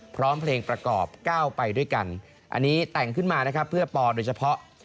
พร้อมเพลงประกอบก้าวไปด้วยกันอันนี้แต่งขึ้นมานะครับเพื่อปอโดยเฉพาะ